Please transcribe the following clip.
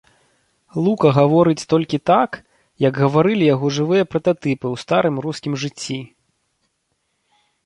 Лука гаворыць толькі так, як гаварылі яго жывыя прататыпы ў старым рускім жыцці.